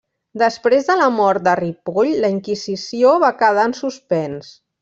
Després de la mort de Ripoll la Inquisició va quedar en suspens.